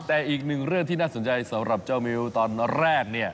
แต่อีกหนึ่งเรื่องที่น่าสนใจสำหรับเจ้ามิวตอนแรกเนี่ย